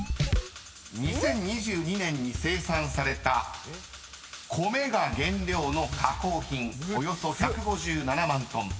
［２０２２年に生産された米が原料の加工品およそ１５７万ｔ］